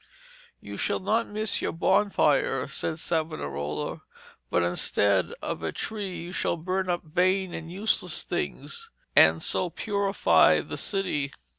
'You shall not miss your bonfire,' said Savonarola; 'but instead of a tree you shall burn up vain and useless things, and so purify the city.'